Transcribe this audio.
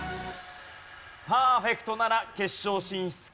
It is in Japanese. パーフェクトなら決勝進出決定です。